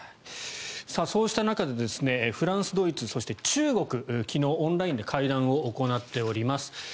そうした中でフランス、ドイツそして中国、昨日オンラインで会談を行っております。